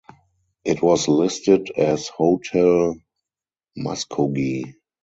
It was listed as Hotel Muskogee.